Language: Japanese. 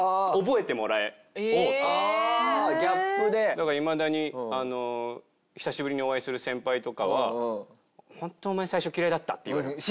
だからいまだに久しぶりにお会いする先輩とかはホントお前最初嫌いだったって言われます。